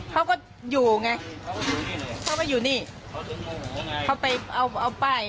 เขาก็อยู่ไง